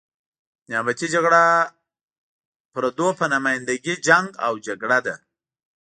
نیابتي جګړه پردو په نماینده ګي جنګ او جګړه ده.